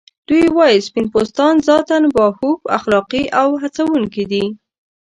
دوی وايي سپین پوستان ذاتاً باهوښ، اخلاقی او هڅونکي دي.